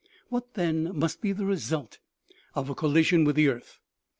What, then, must be the result of a collision w r ith the earth